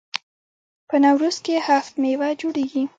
په نوروز کې هفت میوه جوړیږي.